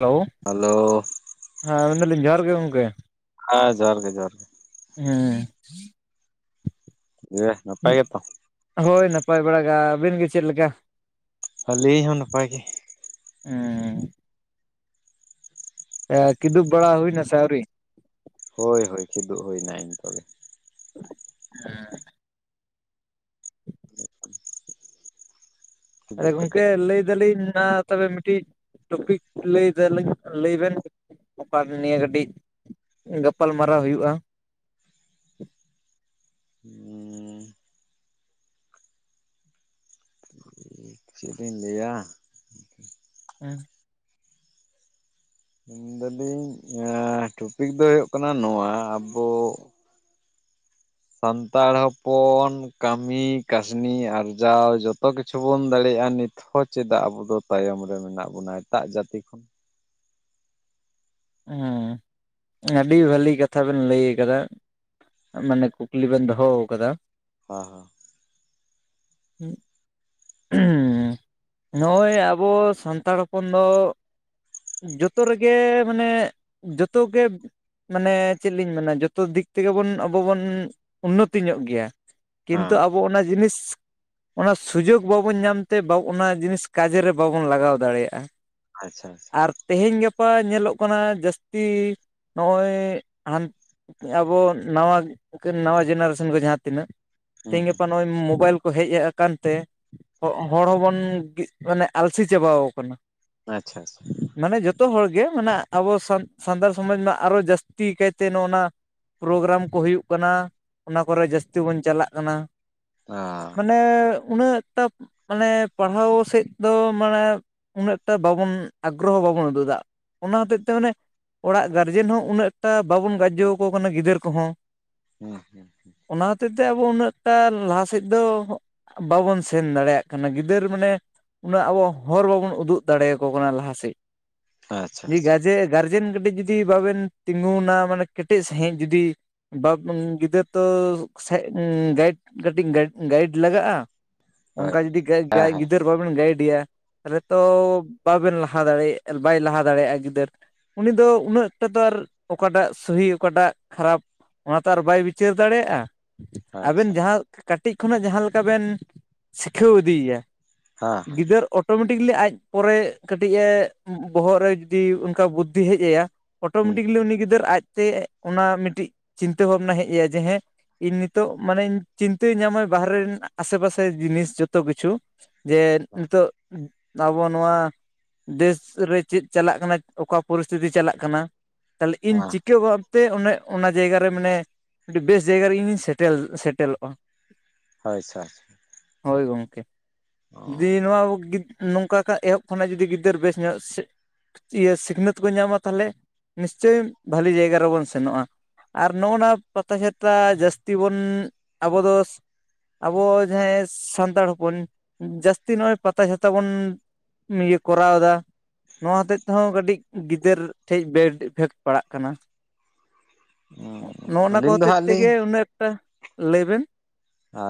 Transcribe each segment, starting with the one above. Hello hello ᱦᱮᱸ ᱢᱮᱱᱫᱟᱞᱤᱧ ᱡᱚᱦᱟᱨ ᱜᱮ ᱜᱚᱝᱠᱮ᱾ ᱦᱮᱸ ᱡᱚᱦᱟᱨ ᱜᱮ ᱡᱚᱦᱟᱨ ᱜᱮ᱾ ᱦᱩᱸ᱾ ᱫᱤᱭᱮ ᱱᱟᱯᱟᱭ ᱜᱮᱛᱚ? ᱦᱳᱭ ᱱᱟᱯᱟᱭ ᱵᱟᱲᱟᱜᱮ, ᱟᱹᱵᱤᱱ ᱜᱮ ᱪᱮᱫ ᱞᱮᱠᱟ? ᱟᱹᱞᱤᱧ ᱦᱚᱸ ᱱᱟᱯᱟᱭ ᱜᱮ᱾ ᱦᱩᱸ᱾ ᱠᱤᱫᱩᱵ ᱵᱟᱲᱟ ᱦᱩᱭᱱᱟᱥᱮ ᱟᱹᱣᱨᱤ? ᱦᱳᱭ ᱦᱳᱭ ᱠᱤᱫᱩᱜ ᱦᱩᱭᱮᱱᱟ ᱱᱮ ᱮ ᱱᱤᱛᱚᱜ ᱜᱮ᱾ ᱦᱩᱸ᱾ [unintelligible] ᱟᱫᱚ ᱠᱤᱫᱩᱵ ᱜᱚᱝᱠᱮ ᱠᱟᱛᱮᱜ ᱞᱟᱹᱭ ᱫᱟᱹᱞᱤᱧ ᱟ ᱛᱚᱵᱮ ᱢᱤᱫᱴᱤᱡ ᱴᱚᱯᱤᱠ ᱞᱟᱹᱭ ᱫᱟᱞᱤᱧ ᱞᱟᱹᱭ ᱵᱮᱱ [unintelligible] ᱱᱤᱭᱟᱹ ᱠᱟᱹᱴᱤᱡ ᱜᱟᱯᱟᱞ ᱢᱟᱨᱟᱣ ᱦᱩᱭᱩᱜᱼᱟ᱾ ᱦᱩᱸ᱾ ᱪᱮᱫ ᱞᱤᱧ ᱞᱟᱹᱭᱟ᱾ ᱦᱮᱸ ᱢᱮᱱᱫᱟᱹᱞᱤᱧ ᱴᱚᱯᱤᱠ ᱫᱚ ᱦᱳᱭᱳᱜ ᱠᱟᱱᱟ ᱱᱚᱣᱟ ᱟᱵᱚ ᱥᱟᱱᱛᱟᱲ ᱦᱚᱯᱚᱱ ᱠᱟᱹᱢᱤ ᱠᱟᱹᱥᱱᱤ ᱟᱨᱡᱟᱣ ᱡᱚᱛᱚ ᱠᱤᱪᱷᱩ ᱵᱚᱱ ᱫᱟᱲᱮᱭᱟᱜᱼᱟ ᱱᱤᱛᱜ ᱦᱚᱸ ᱪᱮᱫᱟᱜ ᱟᱵᱚ ᱫᱚ ᱛᱟᱭᱚᱢ ᱨᱮ ᱢᱮᱱᱟᱜ ᱵᱚᱱᱟ ᱮᱴᱟᱜ ᱡᱟᱹᱛᱤ ᱠᱷᱚᱱ? ᱦᱮᱸ ᱟᱹᱰᱤ ᱵᱷᱟᱹᱞᱤ ᱠᱟᱛᱷᱟ ᱵᱮᱱ ᱞᱟᱹᱭ ᱠᱟᱫᱟ᱾ ᱢᱟᱱᱮ ᱠᱩᱠᱞᱤ ᱵᱮᱱ ᱫᱚᱦᱚ ᱫᱟᱫᱟ᱾ ᱦᱚᱸ ᱦᱚᱸ᱾ [unintelligible] ᱦᱩᱸ ᱱᱚᱜᱼᱚᱭ ᱟᱵᱚ ᱥᱟᱱᱛᱟᱲ ᱦᱚᱯᱚᱱ ᱫᱚ ᱡᱚᱛᱚ ᱨᱮᱜᱮ ᱢᱟᱱᱮ ᱡᱚᱛᱚ ᱜᱮ ᱢᱟᱱᱮ ᱪᱮᱫ ᱞᱤᱧ ᱢᱮᱱᱟ ᱡᱚᱛᱚ ᱫᱤᱠ ᱛᱮᱜᱮ ᱵᱚᱱ ᱟᱵᱚ ᱵᱚᱱ ᱩᱱᱱᱚᱛᱤ ᱧᱚᱜ ᱜᱮᱭᱟ᱾ ᱠᱤᱱᱛᱩ ᱦᱮᱸ ᱟᱵᱚ ᱚᱱᱟ ᱡᱤᱱᱤᱥ ᱚᱱᱟ ᱥᱩᱡᱳᱜᱽ ᱵᱟᱵᱚᱱ ᱧᱟᱢᱛᱮ ᱚᱱᱟ ᱡᱤᱱᱤᱥ ᱠᱟᱡᱮ ᱨᱮ ᱵᱟᱵᱚᱱ ᱞᱟᱜᱟᱣ ᱫᱟᱲᱮᱭᱟᱜᱼᱟ᱾ ᱟᱪᱪᱷᱟ ᱟᱪᱪᱷᱟ᱾ ᱟᱨ ᱛᱮᱦᱮᱧ ᱜᱟᱯᱟ ᱧᱮᱞᱚᱜ ᱠᱟᱱᱟ ᱡᱟᱹᱥᱛᱤ ᱱᱚᱜᱼᱚᱭ ᱦᱟᱱ ᱟᱵᱚ ᱱᱟᱣᱟ ᱱᱟᱣᱟ ᱡᱮᱱᱟᱨᱮᱥᱚᱱ ᱠᱚ ᱡᱟᱦᱟᱸ ᱛᱤᱱᱟᱹᱜ ᱦᱩᱸ ᱛᱮᱦᱤᱧ ᱦᱩᱸ ᱜᱟᱯᱟ ᱱᱚᱜᱼᱚᱭ ᱢᱳᱵᱟᱭᱤᱞ ᱠᱚ ᱦᱮᱡ ᱟᱠᱟᱱ ᱛᱮ ᱦᱚᱲ ᱦᱚᱸᱵᱚᱱ ᱢᱟᱱᱮ ᱟᱞᱥᱤ ᱪᱟᱵᱟᱣ ᱠᱟᱱᱟ᱾ ᱟᱪᱪᱷᱟ ᱪᱷᱟ ᱪᱷᱟ᱾ ᱢᱟᱱᱮ ᱡᱚᱛᱚ ᱦᱚᱲᱜᱮ ᱢᱟᱱᱮ ᱟᱵᱚ ᱥᱟᱱᱛᱟᱲ ᱥᱚᱢᱟᱡᱽ ᱢᱟ ᱟᱨᱚ ᱡᱟᱹᱥᱛᱤ ᱠᱟᱭᱛᱮ ᱱᱚᱜᱼ ᱱᱟ ᱯᱨᱳᱜᱨᱟᱢ ᱠᱚ ᱦᱩᱭᱩᱜ ᱠᱟᱱᱟ ᱚᱱᱟ ᱠᱚᱨᱮ ᱡᱟᱹᱥᱛᱤ ᱵᱚᱱ ᱪᱟᱞᱟᱜ ᱠᱟᱱᱟ᱾ ᱟ ᱢᱟᱱᱮ ᱩᱱᱟᱹᱜ ᱴᱟᱠ ᱢᱟᱱᱮ ᱯᱟᱲᱦᱟᱣ ᱥᱮᱫ ᱫᱚ ᱢᱟᱱᱮ ᱩᱱᱟᱹᱜ ᱴᱟ ᱵᱟᱵᱚᱱ ᱟᱜᱽᱨᱚᱦᱚ ᱵᱟᱵᱚᱱ ᱩᱫᱩᱜ ᱮᱫᱟ᱾ ᱚᱱᱟ ᱦᱟᱛᱮᱫ ᱛᱮ ᱢᱟᱱᱮ ᱚᱲᱟᱜ ᱜᱟᱨᱡᱮᱱ ᱦᱚᱸ ᱩᱱᱟᱹᱜ ᱮᱴᱟ ᱵᱟᱵᱚᱱ ᱜᱟᱡᱡᱚ ᱠᱟᱱᱟ ᱜᱤᱫᱟᱹᱨ ᱠᱚᱦᱚᱸ᱾ ᱦᱩᱸ ᱦᱩᱸ ᱚᱱᱟ ᱦᱚᱛᱮᱛᱮ ᱟᱵᱳ ᱩᱱᱟᱹᱜᱴᱟ ᱞᱟᱦᱟ ᱥᱮᱫ ᱫᱚ ᱵᱟᱵᱚᱱ ᱥᱮᱱ ᱫᱟᱲᱮᱭᱟᱜ ᱠᱟᱱᱟ᱾ ᱜᱤᱫᱟᱹᱨ ᱢᱟᱱᱮ ᱩᱱᱟᱹᱜ ᱟᱵᱚ ᱦᱚᱨ ᱵᱟᱵᱚᱱ ᱩᱫᱩᱜ ᱫᱟᱲᱮᱭᱟᱠᱚ ᱠᱟᱱᱟ ᱞᱟᱦᱟᱥᱮᱫ᱾ ᱟᱪᱪᱷᱟ ᱟᱪᱪᱷᱟ᱾ ᱡᱮ ᱜᱟᱨᱡᱮᱱ ᱠᱟᱹᱴᱤᱡ ᱡᱩᱫᱤ ᱵᱟᱵᱮᱱ ᱛᱤᱸᱜᱩᱱᱟ, ᱢᱟᱱᱮ ᱠᱮᱴᱮᱡ ᱥᱟᱺᱦᱤᱡ ᱡᱩᱫᱤ ᱵᱟᱵᱚᱱ ᱜᱤᱫᱟᱹᱨᱟᱹ ᱛᱚ ᱥᱮ ᱜᱟᱭᱤᱰ ᱠᱟᱹᱴᱤᱡ ᱜᱟᱭᱤᱰ ᱞᱟᱜᱟᱜᱼᱟ᱾ ᱦᱳᱭ ᱚᱱᱠᱟ ᱡᱩᱫᱤ ᱜᱟᱤ ᱦᱮᱸ ᱜᱟᱤ ᱦᱮᱸ ᱜᱤᱫᱟᱹᱨ ᱵᱟᱵᱮᱱ ᱜᱟᱭᱤᱰᱭᱟ ᱛᱟᱦᱚᱞᱮ ᱛᱚ ᱵᱟᱵᱮᱱ ᱞᱟᱦᱟ ᱫᱟᱲᱮᱭᱟᱜ ᱵᱟᱭ ᱞᱟᱦᱟ ᱫᱟᱲᱮᱭᱟᱜᱼᱟ ᱜᱤᱫᱟᱹᱨ᱾ ᱩᱱᱤ ᱫᱚ ᱩᱱᱟᱹᱜᱠᱴᱟ ᱛᱚ ᱟᱨ ᱚᱠᱟᱴᱟᱜ ᱥᱟᱹᱦᱤ ᱚᱠᱟᱴᱟᱜ ᱠᱷᱟᱨᱟᱯ ᱚᱱᱟᱛᱮ ᱟᱨ ᱵᱟᱭ ᱵᱤᱪᱟᱹᱨ ᱫᱟᱲᱮᱭᱟᱜᱼᱟ᱾ ᱟᱵᱮᱱ ᱟᱪᱪᱷᱟ ᱡᱟᱦᱟᱸ ᱠᱟᱹᱴᱤᱡ ᱠᱷᱚᱱᱟᱜ ᱡᱟᱦᱟᱸ ᱞᱮᱠᱟ ᱵᱮᱱ ᱥᱤᱠᱷᱟᱸᱣ ᱤᱫᱤᱭᱮᱭᱟ, ᱦᱮᱸ ᱦᱮᱸ ᱜᱤᱫᱟᱹᱨ ᱚ ᱚᱴᱳᱢᱮᱴᱤᱠᱞᱤ ᱟᱡ ᱯᱚᱨᱮ ᱠᱟᱹᱴᱤᱡᱼᱮ ᱵᱚᱦᱚᱜ ᱨᱮ ᱡᱩᱫᱤ ᱚᱱᱠᱟ ᱵᱩᱫᱽᱫᱷᱤ ᱦᱮᱡ ᱟᱭᱟ ᱦᱩᱸ ᱚᱴᱳᱢᱮᱴᱤᱠᱮᱞᱤ ᱩᱱᱤ ᱜᱤᱫᱟᱹᱨ ᱟᱡᱛᱮ ᱚᱱᱟ ᱢᱤᱫᱴᱤᱡ ᱪᱤᱱᱛᱟᱹ ᱵᱷᱟᱵᱱᱟ ᱦᱮᱡ ᱟᱭᱟ ᱡᱮ ᱦᱮᱸ ᱤᱧ ᱱᱤᱛᱚᱜ ᱢᱟᱱᱮᱧ ᱪᱤᱱᱛᱟᱹ ᱧᱟᱢᱟ ᱵᱟᱦᱨᱮ ᱨᱮᱱᱟ ᱟᱥᱮ ᱯᱟᱥᱮ ᱡᱤᱱᱤᱥ ᱡᱚᱛᱚ ᱠᱤᱪᱷᱩ᱾ ᱡᱮ ᱱᱤᱛᱚᱜ ᱟᱵᱚ ᱱᱚᱣᱟ ᱫᱮᱥ ᱨᱮ ᱪᱮᱫ ᱪᱟᱞᱟᱜ ᱠᱟᱱᱟ ᱚᱠᱟ ᱯᱚᱨᱤᱥᱛᱤᱛᱤ ᱪᱟᱞᱟᱜ ᱠᱟᱱᱟ᱾ ᱛᱟᱦᱚᱞᱮ ᱤᱧ ᱦᱮᱸ ᱪᱤᱠᱟᱹ ᱵᱟᱯ ᱛᱮ ᱚᱱᱮ ᱚᱱᱟ ᱡᱟᱭᱜᱟ ᱨᱮ ᱢᱟᱱᱮ ᱟᱹᱰᱤ ᱵᱮᱥ ᱡᱟᱭᱜᱟ ᱨᱮ ᱤᱧᱤᱧ ᱥᱮᱴᱮᱞ ᱥᱮᱴᱮᱞᱚᱜᱼᱟ᱾ ᱦᱚᱭ ᱥᱮ᱾ ᱦᱳᱭ ᱜᱚᱝᱠᱮ, ᱡᱩᱫᱤ ᱱᱚᱣᱟ ᱠᱚ ᱜᱤ ᱱᱚᱝᱠᱟ ᱠᱷᱟᱭ ᱮᱦᱚᱵ ᱠᱷᱚᱱᱟᱜ ᱡᱩᱫᱤ ᱜᱤᱫᱟᱹᱨ ᱵᱮᱥ ᱧᱚᱜ ᱥᱮ ᱤᱭᱟᱹ ᱥᱤᱠᱷᱱᱟᱹᱛ ᱠᱚ ᱧᱟᱢᱟ ᱛᱟᱦᱚᱞᱮ ᱱᱤᱥᱪᱳᱚᱭ ᱵᱷᱟᱹᱞᱤ ᱡᱟᱭᱜᱟ ᱨᱮᱵᱚᱱ ᱥᱮᱱᱚᱜᱼᱟ᱾ ᱟᱨ ᱱᱚᱜᱼᱚ ᱱᱟ ᱯᱟᱛᱟ ᱪᱷᱟᱛᱟ ᱡᱟᱹᱥᱛᱤ ᱵᱚᱱ ᱟᱵᱚ ᱫᱚ ᱟᱵᱚ ᱡᱟᱦᱟᱸᱭ ᱥᱟᱱᱛᱟᱲ ᱦᱚᱯᱚᱱ ᱡᱟᱹᱥᱛᱤ ᱱᱚᱜᱼᱚᱭ ᱯᱟᱛᱟ ᱪᱷᱟᱛᱟ ᱵᱚᱱ ᱤᱭᱟᱹ ᱠᱚᱨᱟᱣᱮᱫᱟ ᱱᱚᱣᱟ ᱦᱚᱛᱮᱫ ᱠᱟᱹᱴᱤᱡ ᱜᱤᱫᱟᱹᱨ ᱴᱷᱮᱡ ᱵᱮᱰ ᱤᱯᱷᱮᱠᱴ ᱯᱟᱲᱟᱜ ᱠᱟᱱᱟ᱾ ᱱᱚᱜᱼᱚ ᱱᱚᱣᱟ ᱠᱚ ᱟᱹᱞᱤᱧ ᱫᱚ ᱦᱚᱛᱮᱡ ᱦᱟᱸᱜ ᱞᱤᱧ ᱛᱮᱜᱮ ᱩᱱᱟᱹᱜ ᱮᱠᱴᱟ, ᱞᱟᱹᱭ ᱵᱮᱱ?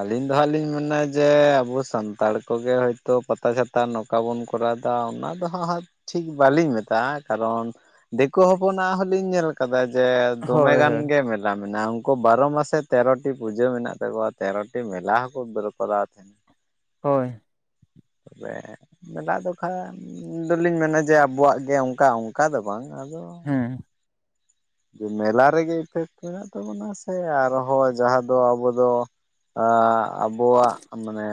ᱟᱹᱞᱤᱧ ᱫᱚ ᱦᱟᱸᱜ ᱞᱤᱧ ᱢᱮᱱᱟ ᱡᱮ ᱟᱵᱚ ᱥᱟᱱᱛᱟᱲ ᱠᱚᱜᱮ ᱦᱳᱭᱛᱳ ᱯᱟᱛᱟ ᱪᱷᱟᱛᱟ ᱱᱚᱠ -ᱠᱟ ᱵᱚᱱ ᱠᱚᱨᱟᱣᱫᱟ, ᱚᱱᱟ ᱫᱚ ᱦᱟᱸᱜ ᱴᱷᱤᱠ ᱵᱟᱹᱞᱤᱧ ᱢᱮᱛᱟᱜᱼᱟ, ᱠᱟᱨᱚᱱ ᱫᱮᱠᱤ ᱦᱚᱯᱚᱱᱟᱜ ᱦᱚᱸᱞᱤᱧ ᱧᱮᱞ ᱠᱟᱫᱟ ᱡᱮ ᱦᱳᱭ ᱫᱚᱢᱮᱜᱟᱱ ᱦᱳᱭ ᱜᱮ ᱢᱮᱞᱟ ᱢᱮᱱᱟᱜᱼᱟ, ᱩᱱᱠᱩ ᱵᱟᱨᱚ ᱢᱟᱥᱮ ᱛᱮᱨᱚᱴᱤ ᱯᱩᱡᱟᱹ ᱢᱮᱱᱟᱜ ᱛᱟᱠᱚᱣᱟ᱾ ᱛᱮᱨᱚᱴᱤ ᱢᱮᱞᱟ ᱦᱚᱸᱠᱚ ᱵᱮᱨ ᱠᱚᱟᱣ ᱛᱟᱦᱮᱱᱟ᱾ ᱦᱳᱭ᱾ ᱛᱚᱵᱮ, ᱢᱮᱞᱟ ᱫᱚ ᱠᱷᱟᱱ ᱫᱚᱞᱤᱧ ᱢᱮᱱᱟ ᱡᱮ ᱟᱵᱚᱣᱟᱜ ᱜᱮ ᱚᱱᱠᱟ ᱚᱱᱠᱟ ᱫᱚ ᱵᱟᱝ, ᱟᱫᱚ ᱦᱮᱸ᱾ ᱡᱮ ᱢᱮᱞᱟ ᱨᱮᱜᱮ ᱯᱮ [unintelligible] ᱛᱟᱵᱚᱱᱟ, ᱥᱮ ᱟᱨᱦᱚᱸ ᱡᱟᱦᱟᱸ ᱫᱚ ᱟᱵᱚ ᱫᱚ ᱮ ᱟᱵᱚᱣᱟᱜ ᱢᱟᱱᱮ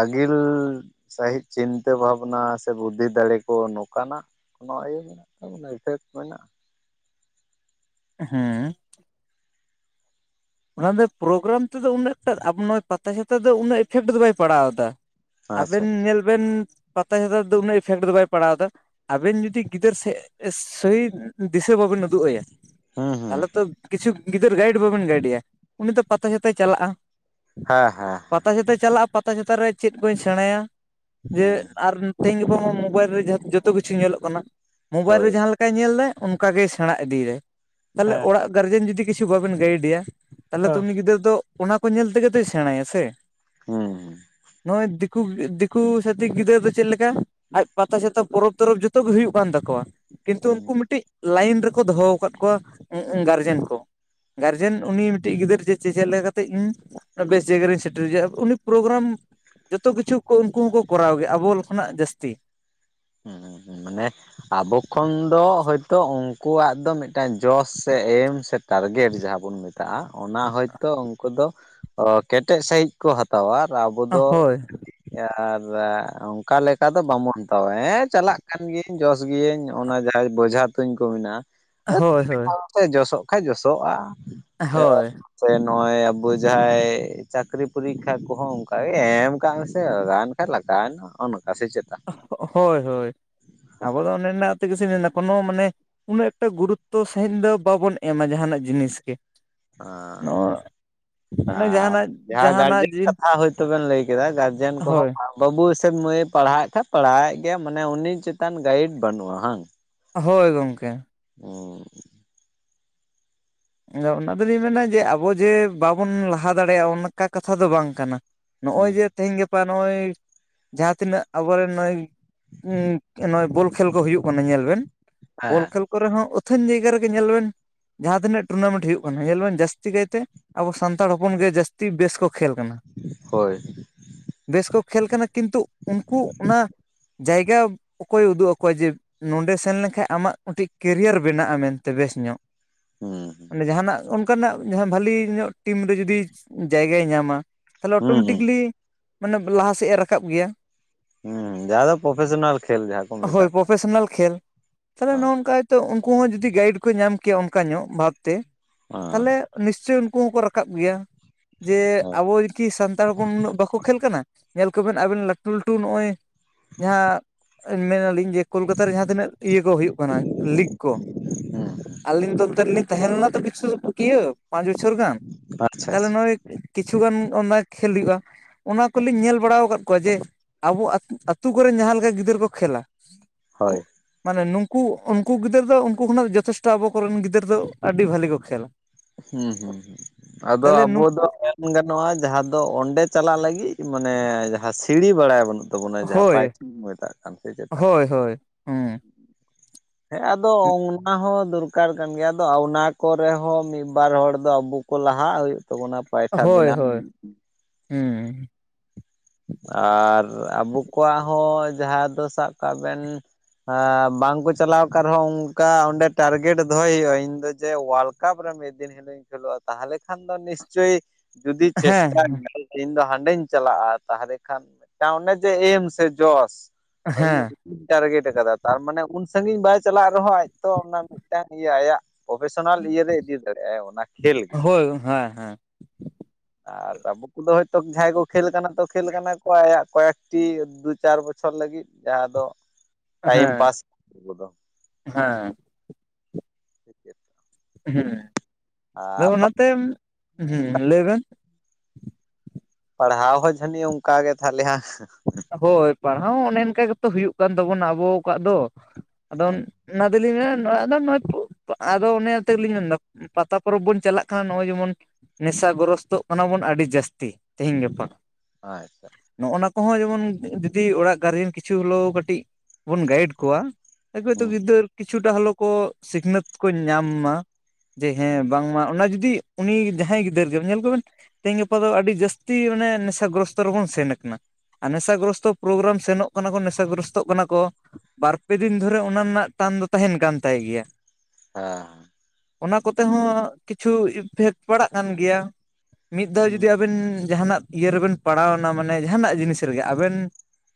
ᱟᱹᱜᱤᱞ ᱥᱟᱹᱦᱤᱡ ᱪᱤᱱᱛᱟᱹ ᱵᱷᱟᱵᱽᱱᱟ ᱥᱮ ᱵᱩᱫᱽᱫᱷᱤ ᱫᱟᱲᱮ ᱠᱚ ᱱᱚᱝᱠᱟᱱᱟᱜ᱾ ᱠᱳᱱᱳ ᱤᱭᱟᱹ ᱢᱮᱱᱟᱜ ᱛᱟᱵᱚᱱᱟ, ᱤᱯᱷᱮᱠᱴ ᱢᱮᱱᱟᱜᱼᱟ᱾ ᱦᱮᱸ᱾ ᱚᱱᱟ ᱫᱚ ᱯᱨᱳᱜᱨᱟᱢ ᱛᱮᱫᱚ ᱩᱱᱟᱹᱜ ᱮᱴᱟ ᱟᱵᱚ ᱱᱚᱜ-ᱚᱭ ᱯᱟᱛᱟᱪᱷᱟᱛᱟ ᱫᱚ ᱩᱱᱟᱹᱜ ᱤᱯᱷᱮᱠᱴ ᱫᱚ ᱵᱟᱭ ᱯᱟᱲᱟᱣ ᱮᱫᱟ᱾ ᱟᱪᱪᱷᱟ ᱟᱵᱮᱱ ᱧᱮᱞ ᱵᱮᱱ ᱯᱟᱛᱟ ᱪᱷᱟᱛᱟ ᱛᱮ ᱫᱚ ᱩᱱᱟᱹᱜ ᱤᱯᱷᱮᱠᱴ ᱫᱚ ᱵᱟᱭ ᱯᱟᱲᱟᱣᱮᱫᱟ᱾ ᱟᱵᱮᱱ ᱡᱩᱫᱤ ᱜᱤᱫᱟᱹᱨ ᱥᱮᱫ ᱥᱟᱹᱦᱤ ᱫᱤᱥᱟᱹ ᱵᱟᱵᱮᱱ ᱩᱫᱩᱜ ᱟᱭᱟ, ᱦᱩᱸ ᱦᱩᱸ ᱛᱟᱦᱞᱮ ᱛᱚ ᱦᱩᱸ ᱠᱤᱪᱷᱩ ᱜᱤᱫᱟᱹᱨ ᱜᱟᱭᱤᱰ ᱵᱟᱵᱮᱱ ᱜᱟᱭᱤᱰ ᱮᱭᱟ, ᱩᱱᱤ ᱫᱚ ᱯᱟᱛᱟ ᱡᱷᱟᱛᱮᱭ ᱪᱟᱞᱟᱜᱼᱟ᱾ ᱦᱮᱸ ᱦᱮᱸ ᱯᱟᱛᱟ ᱪᱷᱟᱛᱟ ᱪᱟᱞᱟᱜ-ᱟ ᱯᱟᱛᱟ ᱪᱷᱟᱛᱟ ᱨᱮ ᱪᱮᱫ ᱠᱚᱧ ᱥᱮᱬᱟᱭᱟ ᱡᱮ ᱦᱩᱸ ᱟᱨᱼᱼᱼ ᱛᱮᱦᱮᱧ ᱜᱟᱯᱟ ᱢᱟ ᱢᱳᱵᱟᱭᱤᱞ ᱨᱮ ᱡᱷᱚ ᱡᱚᱛᱚ ᱠᱤᱪᱷᱩ ᱧᱮᱞᱚᱜ ᱠᱟᱱᱟ, ᱢᱳᱵᱟᱭᱤᱞ ᱨᱮ ᱦᱳᱭ ᱡᱟᱦᱟᱸ ᱞᱮᱠᱟ ᱠᱟᱭ ᱧᱮᱞ ᱫᱟᱭ ᱚᱱᱠᱟᱜᱮ ᱥᱮᱬᱟ ᱤᱫᱤᱭᱮᱫᱟᱭ ᱛᱟᱦᱚᱞᱮ ᱦᱮᱸ ᱚᱲᱟᱜ ᱜᱟᱨᱡᱮᱱ ᱡᱩᱫᱤ ᱠᱤᱪᱷᱩ ᱵᱟᱵᱮᱱ ᱜᱟᱭᱤᱰ ᱮᱭᱟ᱾ ᱛᱟᱦᱚᱞᱮ ᱛᱚ ᱦᱮᱸ ᱩᱱᱤ ᱜᱤᱫᱽᱨᱟᱹ ᱫᱚ ᱚᱱᱟ ᱠᱚ ᱧᱮᱞ ᱛᱮᱜᱮ ᱛᱚᱭ ᱥᱮᱬᱟᱭᱟ ᱥᱮ᱾ ᱦᱩᱸ ᱱᱚᱜ-ᱚᱭ ᱫᱤᱠᱩ ᱫᱤᱠᱩ ᱥᱟᱛᱤᱠ ᱜᱤᱫᱽᱨᱟᱹ ᱫᱚ ᱪᱮᱫ ᱞᱮᱠᱟ? ᱟᱡ ᱯᱟᱛᱟ ᱪᱷᱟᱛᱟ ᱯᱚᱨᱚᱵᱽ ᱛᱚᱨᱚᱵᱽ ᱡᱚᱛᱚ ᱜᱮ ᱦᱩᱭᱩᱜ ᱠᱟᱱ ᱛᱟᱠᱚᱣᱟ᱾ ᱠᱤᱱᱛᱩ ᱦᱩᱸ ᱩᱱᱠᱩ ᱢᱤᱫᱴᱤᱡ ᱞᱟᱭᱤᱱ ᱨᱮᱠᱚ ᱫᱚᱦᱚ ᱟᱠᱟᱫ ᱠᱚᱣᱟ ᱜᱟᱨᱡᱮᱱ ᱠᱚ, ᱜᱟᱨᱡᱮᱱᱼᱼᱼ ᱩᱱᱤ ᱢᱤᱫᱴᱤᱡ ᱜᱤᱫᱟᱹᱨ ᱡᱮ ᱪᱮᱫ ᱞᱮᱠᱟ ᱠᱟᱛᱮ ᱤᱧ ᱵᱮᱥ ᱡᱟᱭᱜᱟ ᱨᱤᱧ ᱥᱮᱴᱮᱨ ᱮᱭᱟ ᱩᱱᱤ ᱯᱨᱳᱜᱨᱟᱢᱼᱼᱼ ᱡᱚᱛᱚ ᱠᱤᱪᱷᱩ ᱠᱚ ᱩᱱᱠᱩ ᱦᱚᱸᱠᱚ ᱠᱚᱨᱟᱣ ᱜᱮᱭᱟ ᱟᱵᱚ ᱠᱷᱚᱱᱟᱜ ᱡᱟᱹᱥᱛᱤ᱾ ᱦᱩᱸ ᱦᱩᱸ ᱢᱟᱱᱮ ᱟᱵᱚ ᱠᱷᱚᱱ ᱫᱚ ᱦᱚᱭᱛᱚ ᱩᱱᱠᱩᱣᱟᱜ ᱫᱚ ᱢᱤᱫᱴᱮᱱ ᱡᱚᱥ ᱥᱮ ᱮᱢ ᱥᱮ ᱴᱟᱨᱜᱮᱴ ᱡᱟᱦᱟᱸ ᱵᱚᱱ ᱢᱮᱼᱼᱼ ᱛᱟᱜ-ᱟ ᱚᱱᱟ ᱦᱚᱭᱛᱚ ᱩᱱᱠᱩ ᱫᱚ ᱠᱮᱴᱮᱡ ᱥᱟᱺᱦᱤᱡᱼᱼᱼ ᱠᱚ ᱦᱟᱛᱟᱣᱟ ᱟᱨ ᱟᱵᱚ ᱫᱚ ᱦᱳᱭ ᱟᱨ ᱚᱱᱠᱟ ᱞᱮᱠᱟ ᱫᱚ ᱵᱟᱵᱚᱱ ᱦᱟᱛᱟᱣᱟ᱾ ᱦᱮᱸ ᱪᱟᱞᱟᱜ ᱠᱟᱱ ᱜᱤᱭᱟᱹᱧ ᱡᱚᱥ ᱜᱤᱭᱟᱹᱧ ᱚᱱᱟ ᱡᱟᱦᱟᱸ ᱵᱚᱡᱷᱟ ᱛᱩᱧ ᱠᱚ ᱦᱳᱭ ᱦᱳᱭ ᱢᱮᱱᱟᱜ-ᱟ [unintelligible] ᱡᱚᱥᱚᱜ ᱠᱷᱟᱱ ᱡᱚᱥᱚᱜ-ᱟ᱾ ᱦᱳᱭ [unintelligible] ᱥᱮ ᱱᱚᱜ-ᱚᱭ ᱟᱵᱚ ᱡᱟᱦᱟᱸᱭ ᱪᱟᱹᱠᱨᱤ ᱯᱚᱨᱤᱠᱠᱷᱟ ᱠᱚᱦᱚᱸ ᱚᱱᱠᱟᱜᱮ ᱮᱢ ᱠᱟᱜ ᱢᱮ ᱥᱮ ᱜᱟᱱᱼᱼᱼ ᱠᱷᱟᱱ ᱞᱟᱜᱟᱣᱮᱱᱟ ᱱᱚᱜ-ᱚ ᱱᱚᱝᱠᱟ᱾ ᱥᱮ ᱪᱮ ᱠᱟ? ᱦᱳᱭ ᱦᱳᱭ ᱟᱵᱚ ᱫᱚ ᱚᱱᱮ ᱚᱱᱟᱜᱼᱼᱼ ᱛᱮ ᱜᱮ ᱥᱮᱱ ᱞᱮᱱᱟ ᱠᱳᱱᱳ ᱢᱟᱱᱮ, ᱩᱱᱟᱹᱜ ᱮᱠᱴᱟ ᱜᱩᱨᱩᱛᱚ ᱥᱟᱹᱦᱤᱡᱽ ᱫᱚ ᱵᱟᱵᱚᱱ ᱮᱢᱟ ᱡᱟᱦᱟᱱᱟᱜ ᱡᱤᱱᱤᱥ ᱜᱮ᱾ ᱟᱸᱻ ᱱᱚᱣᱟ ᱢᱟᱱᱮ ᱟᱨ ᱡᱟᱦᱟᱱᱟᱜ ᱡᱟᱦᱟᱸ, ᱡᱟᱦᱟᱱᱟᱜ ᱜᱟᱨᱡᱮᱱ ᱡᱤᱱ ᱠᱟᱛᱷᱟ ᱦᱳᱭᱛᱚ ᱵᱮᱱ ᱞᱟᱹᱭ ᱠᱮᱫᱟ ᱜᱟᱨᱡᱮᱱ ᱠᱚᱦᱚᱸ ᱦᱳᱭ ᱵᱟᱹᱵᱩ ᱥᱮ ᱢᱟᱹᱭᱮ ᱯᱟᱲᱦᱟᱣᱮᱫ ᱠᱷᱟᱱ ᱯᱟᱲᱦᱟᱣᱮᱫ ᱜᱮᱭᱟ ᱢᱟᱱᱮ ᱩᱱᱤ ᱪᱮᱛᱟᱱ ᱜᱟᱭᱤᱰ ᱵᱟᱹᱱᱩᱜ-ᱟ ᱦᱟᱝ᱾ ᱦᱳᱭ ᱜᱚᱢᱠᱮ᱾ ᱦᱚᱸᱻ ᱦᱮ ᱚᱱᱟ ᱫᱚᱞᱤᱧ ᱢᱮᱱᱟ ᱡᱮ ᱟᱵᱚ ᱡᱮ ᱵᱟᱵᱚᱱ ᱞᱟᱦᱟ ᱫᱟᱲᱮᱭᱟᱜ-ᱟ ᱚᱱᱠᱟ ᱠᱟᱛᱷᱟ ᱫᱚ ᱵᱟᱝ ᱠᱟᱱᱟ᱾ ᱱᱚᱜ-ᱚᱭ ᱦᱩᱸ ᱡᱮ ᱛᱮᱦᱮᱸᱧ ᱜᱟᱯᱟ ᱱᱚᱜ-ᱚᱭ ᱡᱟᱦᱟᱸ ᱛᱤᱱᱟᱹᱜ ᱟᱵᱚᱨᱮᱱ ᱱᱚᱜ-ᱚᱭ ᱱᱚᱜ-ᱚᱭ ᱵᱳᱞ ᱠᱷᱮᱞ ᱠᱚ ᱦᱩᱭᱩᱜ ᱠᱟᱱᱟ ᱧᱮᱞ ᱵᱮᱱ᱾ ᱵᱚᱞ ᱦᱮᱸ ᱠᱷᱮᱹᱞ ᱠᱚᱨᱮ ᱦᱚᱸ ᱚᱛᱷᱮᱱ ᱡᱟᱭᱜᱟ ᱨᱮᱜᱮ ᱧᱮᱞ ᱵᱮᱱ ᱡᱟᱦᱟᱸ ᱛᱤᱱᱟᱹᱜ ᱴᱩᱨᱱᱟᱢᱮᱱᱴ ᱦᱩᱭᱩᱜ ᱠᱟᱱᱟ, ᱧᱮᱞ ᱵᱮᱱ ᱡᱟᱹᱥᱛᱤ ᱠᱟᱭᱛᱮ ᱟᱵᱚ ᱥᱟᱱᱛᱟᱲ ᱦᱚᱯᱚᱱ ᱜᱮ ᱡᱟᱹᱛᱤᱼᱼᱼ ᱛᱤ ᱵᱮᱥ ᱠᱚ ᱠᱷᱮᱹᱞ ᱠᱟᱱᱟ᱾ ᱦᱳᱭ ᱵᱮᱥ ᱠᱚ ᱠᱷᱮᱹᱞ ᱠᱟᱱᱟ ᱠᱤᱱᱛᱩ ᱩᱱᱠᱩ ᱚᱱᱟ ᱡᱟᱭᱜᱟ ᱚᱠᱚᱭ ᱩᱫᱩᱜ ᱟᱠᱚᱣᱟ ᱡᱮ ᱱᱚᱰᱮ ᱥᱮᱱ ᱞᱮᱱᱠᱷᱟᱡ ᱟᱢᱟᱜ ᱢᱤᱫᱴᱤᱡ ᱠᱮᱨᱤᱭᱟᱨ ᱵᱮᱱᱟᱜ-ᱟ ᱢᱮᱱᱛᱮ ᱵᱮᱥ ᱧᱚᱜ᱾ ᱦᱩᱸ᱾ ᱢᱟᱱᱮ ᱡᱟᱦᱟᱸᱱᱟᱜ ᱚᱱᱠᱟᱱᱟᱜ ᱡᱟᱦᱟᱸ ᱵᱷᱟᱹᱞᱤ ᱧᱚᱜ ᱴᱤᱢ ᱨᱮ ᱡᱩᱫᱤ ᱡᱟᱭᱜᱟᱭ ᱧᱟᱢᱟ᱾ ᱛᱟᱦᱚᱸᱞᱮ ᱦᱩᱸ ᱦᱩᱸ ᱚᱴᱳᱢᱮᱴᱤᱠᱞᱤ ᱢᱟᱱᱮ ᱞᱟᱦᱟ ᱥᱮᱫ ᱮ ᱨᱟᱠᱟᱵᱽ ᱜᱮᱭᱟ᱾ ᱡᱟᱦᱟᱸ ᱫᱚ ᱯᱨᱚᱯᱷᱮᱥᱚᱱᱟᱞ ᱠᱷᱮᱞ ᱡᱟᱦᱟᱸ ᱠᱚ ᱦᱳᱭ ᱢᱮᱛᱟᱜ᱾ ᱠᱟᱱ ᱯᱨᱚᱯᱷᱮᱥᱚᱱᱟᱞ ᱠᱷᱮᱞ ᱛᱟᱦᱚᱸᱞᱮ ᱱᱚᱜ ᱦᱮᱸ ᱱᱚᱝᱠᱟ ᱦᱚᱭᱛᱳ ᱩᱱᱠᱩ ᱦᱚᱸ ᱡᱩᱫᱤ ᱜᱟᱭᱤᱰ ᱠᱚ ᱧᱟᱢ ᱠᱮᱭᱟ ᱚᱱᱠᱟ ᱧᱚᱜ ᱵᱷᱟᱵᱽ ᱛᱮ᱾ ᱛᱟᱦᱚᱸᱞᱮ ᱦᱮᱸ ᱱᱤᱥᱪᱚᱭ ᱩᱱᱠᱩ ᱦᱚᱸᱠᱚ ᱨᱟᱠᱟᱵᱽ ᱜᱮᱭᱟ ᱡᱮ ᱟᱵᱚ ᱵᱮᱥ ᱠᱤ ᱥᱟᱱᱛᱟᱲ ᱦᱚᱯᱚᱱ ᱩᱱᱟᱹᱜ ᱵᱟᱠᱚ ᱠᱷᱮᱹᱞ ᱠᱟᱱᱟ ᱧᱮᱞ ᱠᱚᱵᱤᱱ ᱟᱵᱤᱱ ᱞᱟᱹᱴᱩ ᱞᱟᱹᱴᱩ ᱱᱚᱜ-ᱚᱭ ᱡᱟᱦᱟᱸ ᱢᱮᱱᱟᱞᱤᱧ ᱡᱮ ᱠᱳᱞᱠᱟᱛᱟ ᱨᱮ ᱡᱟᱦᱟᱸ ᱛᱤᱱᱟᱹᱜ ᱤᱭᱟᱹ ᱠᱚ ᱦᱩᱭᱩᱜ ᱠᱟᱱᱟ ᱞᱤᱜ ᱠᱚ, ᱦᱮᱸ ᱟᱹᱞᱤᱧ ᱫᱚ ᱚᱱᱛᱮ ᱛᱟᱦᱮᱸ ᱞᱮᱱᱟ ᱛᱚ ᱠᱤᱪᱷᱩ ᱯᱩᱠᱤᱭᱟᱹ ᱯᱟᱸᱪ ᱵᱚᱪᱷᱚᱨ ᱜᱟᱱ ᱟᱪᱪᱷᱟ ᱛᱟᱦᱚᱸᱞᱮ ᱟᱪᱪᱷᱟ ᱱᱚᱜ-ᱚᱭ ᱠᱤᱪᱷᱩᱜᱟᱱ ᱚᱱᱟ ᱠᱷᱮᱹᱞ ᱦᱩᱭᱩᱜ-ᱟ ᱚᱱᱟ ᱠᱚ ᱞᱤᱧ ᱧᱮᱞ ᱵᱟᱲᱟ ᱟᱠᱟᱫ ᱠᱚᱣᱟ ᱡᱮ ᱟᱵᱚ ᱟ ᱟᱹᱛᱩ ᱠᱚᱨᱮᱱ ᱡᱟᱦᱟᱸ ᱞᱮᱠᱟ ᱜᱤᱫᱽᱨᱟᱹ ᱠᱚ ᱠᱷᱮ ᱞᱟ᱾ ᱦᱳᱭ, ᱢᱟᱱᱮ ᱱᱩᱝᱠᱩ ᱩᱱᱠᱩ ᱜᱤᱫᱽᱨᱟᱹ ᱫᱚ ᱩᱱᱠᱩ ᱠᱷᱚᱱᱟᱜ ᱡᱚᱛᱷᱮᱥᱴᱚ ᱟᱵᱚ ᱠᱚᱨᱮᱱ ᱜᱤᱫᱽᱨᱟᱹ ᱫᱚ ᱟᱹᱰᱤ ᱵᱷᱟᱹᱞᱤ ᱠᱚ ᱠᱷᱮᱹᱞᱟ᱾ ᱦᱩᱸ ᱦᱩᱸ ᱦᱩᱸ ᱟᱫᱚ ᱟᱵᱚ ᱫᱚ ᱱᱩᱠᱩ ᱯᱩᱱ ᱜᱟᱱᱚᱜ-ᱟ ᱡᱟᱦᱟᱸ ᱫᱚ ᱚᱸᱰᱮ ᱪᱟᱞᱟᱜ ᱞᱟᱹᱜᱤᱫ ᱢᱟᱱᱮ ᱡᱟᱦᱟᱸ ᱥᱤᱲᱤ ᱵᱟᱲᱟᱭ ᱵᱟᱹᱱᱩᱜ᱾ ᱛᱟᱵᱚᱱᱟ ᱡᱟᱦᱟᱸ ᱦᱳᱭ ᱯᱟᱭᱪᱷᱤ ᱵᱚᱱ ᱢᱮᱛᱟᱜ ᱠᱟᱱ ᱥᱮ ᱪᱮᱫ᱾ ᱦᱳᱭ ᱦᱳᱭ᱾ ᱦᱩᱸ᱾ ᱦᱮᱸ ᱟᱫᱚ ᱚᱱᱟ ᱦᱚᱸ ᱫᱚᱨᱠᱟᱨ ᱠᱟᱱ ᱜᱮᱭᱟ, ᱟᱫᱚ ᱚᱱᱟ ᱠᱚᱨᱮ ᱦᱚᱸ ᱢᱤᱫ ᱵᱟᱨ ᱦᱚᱲ ᱫᱚ ᱟᱵᱚ ᱠᱚ ᱞᱟᱦᱟᱜ ᱦᱩᱭᱩᱜ ᱛᱟᱵᱚᱱᱟ ᱯᱟᱭᱴᱷᱟ ᱵᱮᱱᱟᱣ ᱦᱩᱸᱻ ᱟᱨ ᱟᱵᱚ ᱠᱚᱣᱟᱜ ᱦᱚᱸ ᱡᱟᱦᱟᱸ ᱫᱚ ᱥᱟᱵᱽ ᱠᱟᱜ ᱵᱮᱱ ᱟᱻ ᱵᱟᱝᱠᱚ ᱪᱟᱞᱟᱣ ᱠᱟᱱ ᱨᱮ ᱦᱚᱸ ᱚᱱᱠᱟ ᱚᱸᱰᱮ ᱴᱟᱨᱜᱮᱴ ᱫᱚᱦᱚᱸ ᱦᱩᱭᱩᱜ-ᱟ ᱤᱧ ᱫᱚ ᱡᱮ ᱚᱣᱟᱨᱞᱰ ᱠᱟᱯ ᱨᱮ ᱢᱤᱫ ᱫᱤᱱ ᱦᱤᱞᱳᱜ ᱤᱧ ᱠᱷᱮᱞᱳᱜ-ᱟ ᱛᱟᱦᱚᱸᱞᱮ ᱠᱷᱟᱱ ᱫᱚ ᱱᱤᱥᱪᱳᱭ ᱡᱩᱫᱤ ᱦᱮᱸ ᱪᱮᱥᱴᱟ ᱧᱮᱞ ᱤᱧ ᱫᱚ ᱦᱟᱸᱰᱮᱧ ᱪᱟᱞᱟᱜ-ᱟ᱾ ᱛᱟᱦᱚᱸᱞᱮ ᱠᱷᱟᱱ, ᱢᱤᱫᱴᱟᱝ ᱚᱱᱮ ᱡᱮ ᱮᱢ ᱥᱮ ᱡᱚᱥ ᱦᱮᱸ [unintelligible] ᱴᱟᱨᱜᱮᱴ ᱟᱠᱟᱫᱟ ᱛᱟᱨᱢᱟᱱᱮ ᱩᱱ ᱥᱟᱺᱜᱤᱧ ᱵᱟᱭ ᱪᱟᱞᱟᱜ ᱨᱮ ᱦᱚᱸ ᱟᱡ ᱛᱚ ᱚᱱᱟ ᱢᱤᱫᱴᱟᱝ ᱤᱭᱟᱹ ᱟᱭᱟᱜ ᱯᱨᱚᱯᱷᱮᱥᱚᱱᱟᱞ ᱤᱭᱟᱹ ᱨᱮ ᱤᱫᱤ ᱫᱟᱲᱮᱭᱟᱜ ᱟᱭ ᱚᱱᱟ ᱠᱷᱮᱞ ᱜᱮ ᱦᱳᱭ ᱦᱮᱸ ᱦᱮᱸ ᱟᱨ ᱵᱟᱵᱩ ᱠᱚᱫᱚ ᱦᱳᱭᱛᱳ ᱡᱟᱦᱟᱸᱭ ᱠᱚ ᱠᱷᱮᱞ ᱠᱟᱱᱟ ᱛᱚ ᱠᱷᱮᱞ ᱠᱟᱱᱟ ᱠᱚ ᱟᱭᱟᱜ ᱠᱚᱭᱮᱠᱴᱤ ᱫᱩ ᱪᱟᱨ ᱵᱚᱪᱷᱚᱨ ᱞᱟᱹᱜᱤᱫ ᱡᱟᱦᱟᱸ ᱫᱚ ᱴᱟᱭᱤᱢ ᱦᱮᱸ ᱯᱟᱥ ᱠᱚᱫᱚ ᱦᱮᱸ [inaudible] ᱦᱮᱸ ᱟᱨ ᱟᱫᱚ ᱚᱱᱟᱛᱮ, ᱦᱮ ᱞᱟᱹᱭ ᱵᱮᱱ ᱯᱟᱲᱦᱟᱣ ᱦᱚᱸ ᱡᱟᱹᱱᱤᱡ ᱚᱱᱠᱟᱜ ᱜᱮ ᱛᱟᱦᱚᱞᱮ ᱦᱟᱜ ᱦᱳᱭ ᱯᱟᱲᱦᱟᱣ ᱦᱚᱸ ᱚᱱᱮ ᱚᱱᱠᱟ ᱜᱮᱛᱚ ᱦᱩᱭᱩᱜ ᱠᱟᱱ ᱛᱟᱵᱚᱱᱟ ᱟᱵᱚ ᱠᱚᱣᱟᱜ ᱫᱚ ᱟᱫᱚ ᱚᱱᱟ ᱫᱚᱞᱤᱧ ᱢᱮᱱᱟ ᱟᱫᱚ ᱱᱚ ᱟᱫᱚ ᱚᱱᱮ ᱛᱮᱜᱮᱞᱤᱧ ᱢᱮᱱᱫᱟ ᱯᱟᱛᱟ ᱯᱚᱨᱚᱵᱽ ᱵᱚᱱ ᱪᱟᱞᱟᱜ ᱠᱷᱟᱱᱟ ᱱᱚᱜ-ᱚᱭ ᱡᱮᱢᱚᱱ ᱱᱮᱥᱟ ᱜᱨᱚᱥᱛᱚᱜ ᱠᱟᱱᱟ ᱵᱚᱱ ᱟᱹᱰᱤ ᱡᱟᱹᱥᱛᱤ ᱛᱮᱦᱤᱧ ᱜᱟᱯᱟ ᱟᱪᱪᱷᱟ ᱱᱚᱜ-ᱚᱭ ᱱᱟ ᱠᱚᱦᱚᱸ ᱡᱮᱢᱚᱱ ᱡᱩᱫᱤ ᱚᱲᱟᱜ ᱜᱟᱨᱡᱮᱱ ᱠᱤᱪᱷᱩ ᱦᱳᱞᱳᱣ ᱠᱟᱹᱴᱤᱡ ᱵᱚᱱ ᱜᱟᱭᱤᱰ ᱠᱚᱣᱟ ᱮᱛᱚ [unintelligible] ᱦᱩᱸ ᱜᱤᱫᱨᱟᱹᱨ ᱠᱤᱪᱷᱩᱴᱟ ᱦᱚᱞᱮ ᱠᱚ ᱥᱤᱠᱷᱱᱟᱹᱛ ᱠᱚ ᱧᱟᱢ ᱢᱟ᱾ ᱡᱮ ᱦᱮᱸ ᱦᱩᱸ ᱵᱟᱝ ᱢᱟ ᱚᱱᱟ ᱡᱩᱫᱤ ᱩᱱᱤ ᱡᱟᱦᱟᱸᱭ ᱜᱤᱫᱟᱹᱨ ᱜᱮ ᱧᱮᱞ ᱠᱚᱵᱮᱱ ᱛᱮᱦᱮᱧ ᱜᱟᱯᱟ ᱫᱚ ᱟᱹᱰᱤ ᱡᱟᱹᱥᱛᱤ ᱢᱟᱱᱮ ᱱᱮᱥᱟ ᱜᱨᱚᱥᱛᱚ ᱨᱮᱵᱚᱱ ᱥᱮᱱ ᱠᱟᱱᱟ᱾ ᱟᱨ ᱱᱮᱥᱟᱜᱨᱚᱥᱛᱚ ᱯᱨᱳᱜᱨᱟᱢ ᱥᱮᱱᱚᱜ ᱠᱟᱱᱟ ᱠᱚ ᱱᱮᱥᱟᱜᱨᱚᱥᱛᱚᱜ ᱠᱟᱱᱟ ᱠᱚ ᱵᱟᱨᱯᱮ ᱫᱤᱱ ᱫᱷᱚᱨᱮ ᱚᱱᱟ ᱨᱮᱱᱟᱜ ᱴᱟᱱ ᱫᱚ ᱛᱟᱦᱮᱱ ᱠᱟᱱ ᱛᱟᱭ ᱜᱮᱭᱟ᱾ ᱦᱟᱸᱻ ᱚᱱᱟ ᱠᱚᱛᱮ ᱦᱚᱸ ᱠᱤᱪᱷᱩ ᱤᱯᱷᱮᱠᱴ ᱯᱟᱲᱟᱜ ᱠᱟᱱ ᱜᱮᱭᱟ᱾ ᱢᱤᱫ ᱫᱷᱟᱣ ᱡᱩᱫᱤ ᱦᱮᱸ ᱟᱵᱮᱱ ᱡᱟᱦᱟᱱᱟᱜ ᱤᱭᱟᱹ ᱨᱮᱵᱮᱱ ᱯᱟᱲᱟᱣᱱᱟ ᱢᱟᱱᱮ ᱡᱟᱦᱟᱱᱟᱜ ᱡᱤᱱᱤᱥ ᱨᱤᱜᱤ ᱟᱵᱮᱱ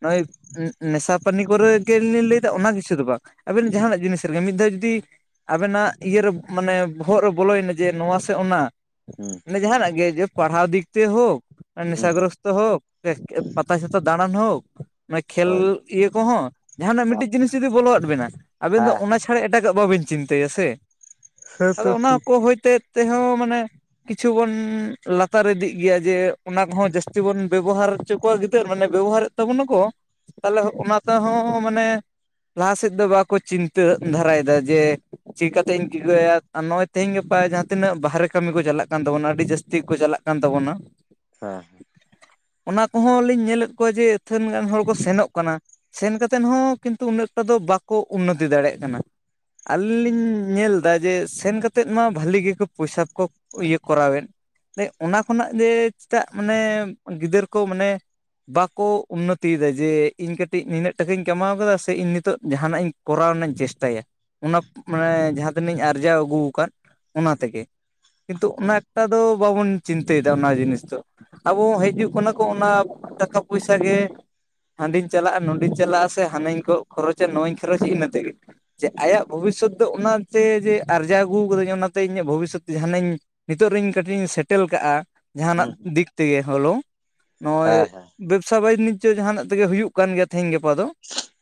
ᱱᱚᱜ ᱱᱮᱥᱟ ᱯᱟᱹᱱᱤ ᱠᱚᱨᱮ ᱜᱮ ᱞᱤᱧ ᱞᱟᱹᱭ ᱫᱟ ᱚᱱᱟ ᱠᱤᱪᱷᱩ ᱫᱚ ᱵᱟᱝ, ᱟᱹᱵᱮᱱ ᱡᱟᱦᱟᱱᱟᱜ ᱡᱤᱱᱤᱥ ᱨᱮᱜᱮ, ᱢᱤᱫ ᱫᱷᱟᱣ ᱡᱩᱫᱤ ᱟᱵᱮᱱᱟᱜ ᱤᱭᱟᱹᱨᱮ ᱢᱟᱱᱮ ᱵᱚᱦᱚᱜ ᱨᱮ ᱵᱚᱞᱚᱭᱮᱱᱟ ᱡᱮ ᱱᱚᱣᱟ ᱥᱮ ᱚᱱᱟ ᱦᱩᱸ ᱢᱟᱱᱮ ᱡᱟᱦᱟᱱᱟᱜ ᱜᱮ ᱯᱟᱲᱦᱟᱣ ᱫᱤᱠ ᱛᱮ ᱦᱳᱠ ᱦᱩᱸ ᱦᱩᱸ ᱱᱮᱥᱟᱜᱨᱚᱥᱛᱚ ᱦᱳᱠ ᱯᱟᱛᱟ ᱪᱷᱟᱛᱟ ᱫᱟᱬᱟᱱ ᱦᱳᱠ ᱢᱟᱱᱮ ᱠᱷᱮᱞ ᱦᱳᱭ ᱦᱮᱸ ᱤᱭᱟᱹ ᱠᱚᱦᱚᱸ ᱡᱟᱦᱟᱱᱟᱜ ᱢᱤᱫᱴᱤᱡ ᱡᱤᱱᱤᱥ ᱡᱩᱫᱤ ᱵᱚᱞᱚ ᱟᱫ ᱵᱮᱱᱟ ᱟᱵᱮᱱ ᱫᱚ ᱚᱱᱟ ᱪᱷᱟᱲᱟ ᱮᱴᱟᱜᱟᱜ ᱵᱟᱵᱤᱱ ᱪᱤᱱᱛᱟᱹᱭᱟ ᱥᱮ ᱦᱮᱸ ᱛᱚ ᱟᱫᱚ ᱚᱱᱟ ᱴᱷᱤᱠ ᱠᱚ ᱦᱚᱭᱛᱮ ᱛᱮᱦᱚᱸ ᱢᱟᱱᱮ ᱠᱤᱪᱷᱩ ᱵᱚᱱ ᱞᱟᱛᱟᱨ ᱤᱫᱤ ᱜᱮᱭᱟ ᱡᱮ ᱚᱱᱟ ᱠᱚᱦᱚᱸ ᱡᱟᱹᱥᱛᱤ ᱵᱚᱱ ᱵᱮᱵᱚᱦᱟᱨ ᱦᱚ ᱠᱚᱣᱟᱜ ᱜᱤᱫᱟᱹᱨ ᱢᱟᱱᱮ ᱵᱮᱵᱚᱦᱟᱨ ᱮᱫ ᱛᱟᱵᱚᱱᱟᱠᱚ ᱛᱟᱦᱚᱞᱮ ᱚᱱᱟ ᱛᱮᱦᱚᱸ ᱢᱟᱱᱮ ᱞᱟᱦᱟ ᱥᱮᱫ ᱫᱚ ᱵᱟᱠᱚ ᱪᱤᱱᱛᱟᱹ ᱫᱷᱟᱨᱟᱭ ᱮᱫᱟ ᱡᱮ ᱪᱤᱠᱠᱟ ᱠᱟᱛᱮ ᱤᱧ ᱴᱤᱠᱟᱹᱭᱟ ᱟᱨ ᱱᱚᱜᱼᱚᱭ ᱛᱮᱦᱮᱧ ᱜᱟᱯᱟ ᱡᱟᱦᱟᱸ ᱛᱤᱱᱟᱹᱜ ᱵᱟᱦᱨᱮ ᱠᱟᱹᱢᱤ ᱠᱚ ᱪᱟᱞᱟᱜ ᱠᱟᱱ ᱛᱟᱵᱚᱱᱟ ᱟᱹᱰᱤ ᱡᱟᱹᱥᱛᱤ ᱜᱮ ᱠᱚ ᱪᱟᱞᱟᱜ ᱠᱟᱱᱟ ᱠᱟᱱ ᱛᱟᱵᱚᱱᱟ᱾ ᱦᱮᱸ ᱚᱱᱟ ᱠᱚᱦᱚᱸ ᱞᱤᱧ ᱧᱮᱞᱮᱫ ᱠᱚᱣᱟ ᱡᱮ ᱟᱹᱛᱷᱟᱹᱱ ᱜᱟᱱ ᱦᱚᱲ ᱠᱚ ᱥᱮᱱᱚᱜ ᱠᱟᱱᱟ ᱥᱮᱱ ᱠᱟᱛᱮᱫ ᱦᱚᱸ ᱠᱤᱱᱛᱩ ᱩᱱᱟᱹᱜ ᱴᱟ ᱫᱚ ᱵᱟᱠᱚ ᱩᱱᱱᱚᱛᱤ ᱫᱟᱲᱮᱜ ᱠᱟᱱᱟ᱾ ᱟᱹᱞᱤᱧ ᱞᱤᱧ ᱧᱮᱞ ᱫᱟ ᱡᱮ ᱥᱮᱱ ᱠᱟᱛᱮᱫ ᱢᱟ ᱵᱷᱟᱹᱞᱤ ᱜᱮᱠᱚ ᱯᱚᱭᱥᱟ ᱠᱚ ᱤᱭᱟᱹ ᱠᱚᱨᱟᱣᱮᱫ [unintelligible] ᱚᱱᱟ ᱠᱷᱚᱱᱟᱜ ᱜᱮ ᱪᱮᱫᱟᱜ ᱢᱟᱱᱮ ᱜᱤᱫᱟᱹᱨ ᱠᱚ ᱢᱟᱱᱮ ᱵᱟᱠᱚ ᱩᱱᱱᱚᱛᱤᱭᱮᱫᱟ ᱡᱮ ᱤᱧ ᱠᱟᱹᱴᱤᱡ ᱱᱤᱱᱟᱹᱜ ᱴᱟᱠᱟᱧ ᱠᱟᱢᱟᱣ ᱠᱟᱫᱟ ᱥᱮ ᱤᱧ ᱱᱤᱛᱚᱜ ᱡᱟᱦᱟᱱᱟᱜ ᱤᱧ ᱠᱚᱨᱟᱣ ᱨᱮᱱᱟᱜ ᱤᱧ ᱪᱮᱥᱴᱟᱭᱟ ᱚᱱᱟ ᱢᱟᱱᱮ ᱡᱟᱦᱟᱸ ᱛᱤᱱᱟᱧ ᱟᱨᱡᱟᱣ ᱟᱹᱜᱩ ᱟᱠᱟᱫ ᱚᱱᱟ ᱛᱮᱜᱮ᱾ ᱠᱤᱱᱛᱩ ᱦᱮᱸ ᱚᱱᱟ ᱦᱮᱸ ᱮᱠᱴᱟ ᱫᱚ ᱵᱟᱵᱚᱱ ᱪᱤᱱᱛᱟᱹᱭ ᱫᱟ ᱚᱱᱟ ᱡᱤᱱᱤᱥ ᱫᱚ ᱟᱵᱚ ᱦᱤᱡᱩᱜ ᱠᱟᱱᱟ ᱠᱚ ᱚᱱᱟ ᱴᱟᱠᱟ ᱯᱚᱭᱥᱟ ᱜᱮ᱾ ᱦᱟᱸᱰᱤᱧ ᱪᱟᱞᱟᱜᱼᱟ ᱱᱚᱰᱮᱧ ᱪᱟᱞᱟᱜᱼᱟ ᱥᱮ ᱦᱟᱱᱟᱧ ᱠᱚ ᱠᱷᱚᱨᱚᱪᱟ ᱱᱚᱣᱟᱧ ᱠᱷᱚᱨᱚᱪᱟ ᱤᱱᱟᱹ ᱛᱮᱜᱮ᱾ ᱡᱮ ᱟᱭᱟᱜ ᱵᱷᱚᱵᱤᱥᱥᱚᱭ ᱫᱚ ᱚᱱᱟᱛᱮ ᱡᱮ ᱟᱨᱡᱟᱣ ᱟᱹᱜᱩ ᱠᱟᱹᱫᱟᱹᱧ, ᱚᱱᱟᱛᱮ ᱤᱧᱟᱹᱜ ᱵᱷᱚᱵᱤᱥᱥᱚᱭ ᱡᱟᱦᱟᱱᱟ ᱤᱧ ᱱᱤᱛᱚᱜ ᱨᱤᱧ ᱠᱟᱹᱴᱤᱤᱧ ᱥᱮᱴᱮᱞ ᱠᱟᱜᱼᱟ ᱡᱟᱦᱟᱱᱟᱜ ᱦᱮᱸ ᱦᱮᱸ ᱫᱤᱠ ᱛᱮᱜᱮ, ᱦᱚᱞᱳ ᱱᱚᱜᱼᱚᱭ ᱵᱮᱵᱽᱥᱟ ᱵᱟᱱᱤᱡᱽᱡᱚ ᱡᱟᱦᱟᱱᱟᱜ ᱛᱮᱜᱮ ᱦᱩᱭᱩᱜ ᱠᱟᱱ ᱜᱮᱭᱟ ᱛᱮᱤᱦᱤᱧ ᱜᱟᱯᱟ ᱫᱚ,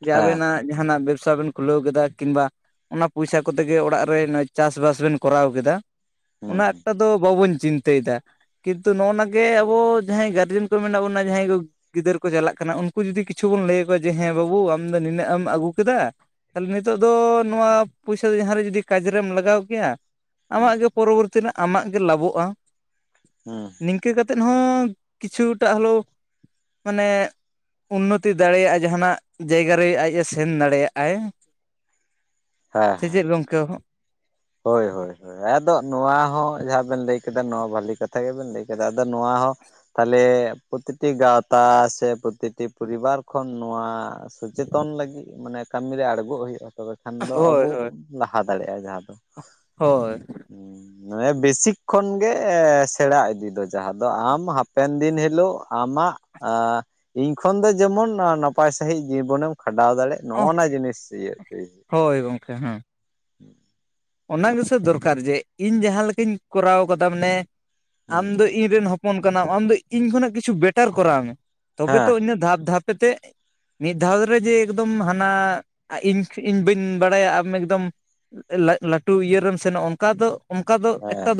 ᱡᱮ ᱦᱮᱸ ᱟᱵᱮᱱᱟᱜ ᱡᱟᱦᱟᱱᱟᱜ ᱵᱮᱵᱥᱟ ᱵᱮᱱ ᱠᱷᱩᱞᱟᱹᱣ ᱠᱟᱫᱟ ᱠᱤᱝᱵᱟ ᱾ ᱚᱱᱟ ᱯᱚᱭᱥᱟ ᱠᱚᱛᱮ ᱜᱮ ᱚᱲᱟᱜ ᱨᱮ ᱱᱚ ᱪᱟᱥᱵᱟᱥ ᱵᱮᱱ ᱠᱚᱨᱟᱣ ᱠᱮᱫᱟ, ᱦᱮᱸ ᱚᱱᱟ ᱦᱮᱸ ᱮᱠᱴᱟ ᱫᱚ ᱵᱟᱵᱚᱱ ᱪᱤᱱᱛᱟᱹᱭ ᱫᱟ, ᱠᱤᱱᱛᱩ ᱱᱚᱜᱼᱱᱟᱜᱮ ᱟᱵᱚ ᱡᱟᱦᱟᱸᱭ ᱜᱟᱨ ᱨᱮᱱ ᱠᱚ ᱢᱮᱱᱟᱜ ᱵᱚᱱᱟ ᱡᱟᱦᱟᱸᱭ ᱠᱚ, ᱜᱤᱫᱟᱹᱨ ᱠᱚ ᱪᱟᱞᱟᱜ ᱠᱟᱱᱟ, ᱩᱱᱠᱩ ᱡᱩᱫᱤ ᱠᱤᱪᱷᱩ ᱵᱚᱱ ᱞᱟᱹᱭ ᱟᱠᱚᱣᱟ ᱡᱮ, ᱦᱮᱸ ᱵᱟᱹᱵᱩ ᱟᱢ ᱫᱚ ᱱᱤᱱᱟᱹᱜ ᱮᱢ ᱟᱹᱜᱩ ᱠᱮᱫᱟ ᱛᱟᱦᱚᱞᱮ ᱱᱤᱛᱚᱜ ᱫᱚ ᱱᱚᱣᱟ ᱯᱚᱭᱥᱟ ᱫᱚ ᱡᱟᱦᱟᱸ ᱨᱮ ᱡᱩᱫᱤ ᱠᱟᱡᱽ ᱨᱮᱢ ᱞᱟᱜᱟᱣ ᱠᱮᱭᱟ, ᱦᱮᱸ ᱟᱢᱟᱜ ᱜᱮ ᱯᱚᱨᱚᱵᱚᱨᱛᱤ ᱨᱮ ᱟᱢᱟᱜ ᱜᱮ ᱞᱟᱵᱷᱚᱜᱼᱟ, ᱱᱤᱝᱠᱟᱹ ᱠᱟᱛᱮᱫ ᱦᱚᱸ ᱠᱤᱪᱷᱩᱴᱟ ᱦᱚᱞᱳ ᱢᱟᱱᱮ ᱩᱱᱱᱚᱛᱤ ᱫᱟᱲᱮᱭᱟᱜᱼᱟ ᱡᱟᱦᱟᱱᱟᱜ ᱡᱟᱭᱜᱟ ᱨᱮ, ᱟᱡᱼᱮ ᱥᱮᱱ ᱫᱟᱲᱮᱭᱟᱜᱼᱟᱭ᱾ [unintelligible] ᱦᱮᱸ, ᱥᱮ ᱪᱮᱫ ᱜᱚᱢᱠᱮ? ᱦᱚᱜ ᱦᱳᱭ ᱦᱳᱭ, ᱟᱫᱚ ᱱᱚᱣᱟ ᱦᱚᱸ ᱡᱟᱦᱟᱸ ᱵᱮᱱ ᱞᱟᱹᱭ ᱠᱮᱫᱟ, ᱱᱚᱣᱟ ᱵᱷᱟᱹᱞᱤ ᱠᱟᱛᱷᱟ ᱜᱮᱵᱮᱱ ᱞᱟᱹᱭ ᱠᱮᱫᱟ, ᱟᱫᱚ ᱱᱚᱣᱟ ᱦᱚᱸ ᱛᱟᱦᱚᱞᱮ ᱯᱨᱚᱛᱤᱴᱤ ᱜᱟᱶᱛᱟ ᱥᱮ, ᱯᱚᱛᱤᱴᱤ ᱯᱚᱨᱤᱵᱟᱨ ᱠᱷᱚᱱ ᱱᱚᱣᱟ ᱥᱚᱪᱮᱛᱚᱱ ᱞᱟᱹᱜᱤᱫ ᱢᱟᱱᱮ ᱠᱟᱹᱢᱤᱨᱮ ᱟᱬᱜᱚᱜ ᱦᱩᱭᱩᱜᱼᱟ, ᱛᱚᱵᱮ ᱠᱷᱟᱱ ᱫᱚ ᱦᱳᱭ ᱟᱵᱚ ᱦᱳᱭ ᱞᱟᱦᱟ ᱫᱟᱲᱮᱭᱟᱜᱼᱟ ᱡᱟᱦᱟᱸ ᱫᱚ᱾ ᱦᱳᱭ, ᱦᱩᱸ ᱦᱮ ᱵᱮᱥᱤᱠ ᱠᱷᱚᱱ ᱜᱮ ᱮᱻ ᱥᱮᱲᱟ ᱤᱫᱤ ᱫᱚ ᱡᱟᱦᱟᱸ ᱫᱚ, ᱟᱢ ᱦᱟᱯᱮᱱ ᱫᱤᱱ ᱦᱮᱞᱳᱜ ᱟᱢᱟᱜ ᱟ ᱤᱧ ᱠᱷᱚᱱ ᱫᱚ ᱡᱮᱢᱚᱱ, ᱱᱟᱯᱟᱭ ᱥᱟᱺᱦᱤᱡ ᱡᱤᱵᱚᱱᱮᱢ ᱠᱷᱟᱸᱰᱟᱣ ᱫᱟᱲᱮᱜ ᱱᱚᱜ ᱚᱱᱟᱜ ᱡᱤᱱᱤᱥ ᱤᱭᱟᱹᱛᱤ, ᱦᱳᱭ ᱜᱚᱝᱠᱮ ᱦᱮᱸ, ᱦᱮᱸ [unintelligible] ᱚᱱᱟ ᱜᱮᱥᱮ ᱫᱚᱨᱠᱟᱨ ᱡᱮ, ᱤᱧ ᱡᱟᱦᱟᱸ ᱞᱮᱠᱟᱧ ᱠᱚᱨᱟᱣ ᱠᱟᱫᱟ ᱢᱟᱱᱮ, ᱟᱢ ᱫᱚ ᱤᱧᱨᱮᱱ ᱦᱚᱯ -ᱯᱚᱱ ᱠᱟᱱᱟᱢ, ᱟᱢ ᱫᱚ ᱤᱧ ᱠᱷᱚᱱᱟᱜ ᱠᱤᱪᱷᱩ ᱵᱮᱴᱟᱨ ᱠᱚᱨᱟᱣ ᱢᱮ, ᱛᱚᱵᱮ ᱦᱮᱸ ᱛᱚ ᱦᱮᱸ ᱤᱱᱟᱹ ᱫᱷᱟᱯ ᱫᱷᱟᱯᱮ ᱛᱮ ᱢᱤᱫ ᱫᱷᱟᱣ ᱫᱷᱨᱮ ᱡᱮ ᱮᱠᱫᱚᱢ ᱦᱟᱱᱟ, ᱤᱧ ᱤᱧ ᱵᱟᱹᱧ ᱵᱟᱲᱟᱭᱟ ᱟᱢ ᱮᱠᱫᱚᱢ ᱞᱟᱹᱴᱩ ᱤᱭᱟᱹ ᱨᱮᱢ ᱥᱮᱱᱚᱜᱼᱟ᱾ ᱚᱱᱠᱟ ᱫᱚ ᱚᱱᱠᱟ ᱫᱚ ᱮᱠᱴᱟ ᱫᱚ